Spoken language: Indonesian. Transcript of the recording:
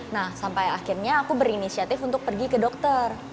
nah sampai akhirnya aku berinisiatif untuk pergi ke dokter